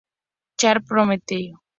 Chad prometió!